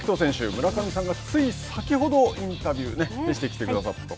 村上さんがつい先ほどインタビューしてきてくださったと。